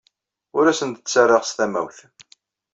Ur asen-d-ttarraɣ s tamawt.